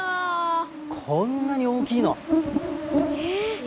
こんなに大きいの。え！